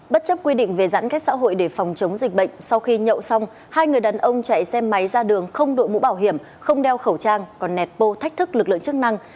bất chấp quy định về giãn cách xã hội để phòng chống dịch bệnh sau khi nhậu xong hai người đàn ông chạy xe máy ra đường không đội mũ bảo hiểm không đeo khẩu trang còn nẹt bô thách thức lực lượng chức năng